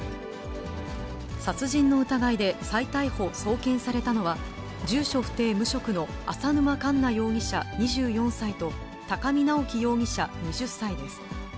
殺人の疑いで再逮捕・送検されたのは、住所不定無職の浅沼かんな容疑者２４歳と、高見直輝容疑者２０歳です。